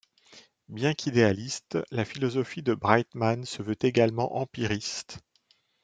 Bien qu'idéaliste, la philosophie de Brightman se veut également empiriste.